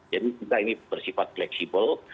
jadi kita ini bersifat fleksibel